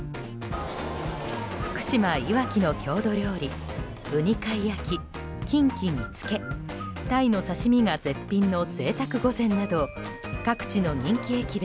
福島・いわきの郷土料理ウニ貝焼き、キンキ煮つけタイの刺し身が絶品の贅沢御膳など各地の人気駅弁